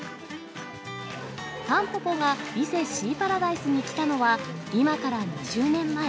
タンポポが伊勢シーパラダイスに来たのは今から２０年前。